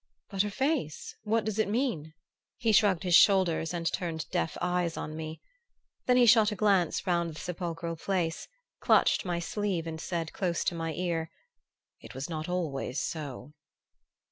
"But the face what does it mean?" He shrugged his shoulders and turned deaf eyes on me. Then he shot a glance round the sepulchral place, clutched my sleeve and said, close to my ear: "It was not always so."